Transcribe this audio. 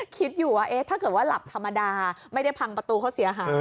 คิดอยู่ว่าถ้าเกิดว่าหลับธรรมดาไม่ได้พังประตูเขาเสียหาย